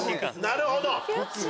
なるほど！